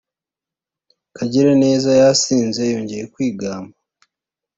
Kagiraneza yasinze yongeye kwigamba